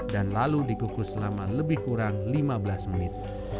dan lalu dikukus selama lebih kurang lima belas menit